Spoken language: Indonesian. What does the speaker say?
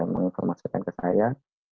menginformasikan ke saya